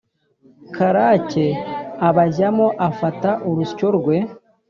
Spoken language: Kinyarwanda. karake abajyamo afata urusyo rwe.